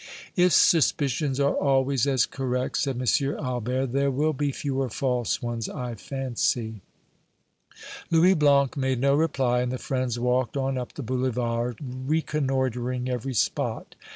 "If suspicions are always as correct," said M. Albert, "there will be fewer false ones, I fancy." Louis Blanc made no reply, and the friends walked on up the Boulevard, reconnoitering every spot.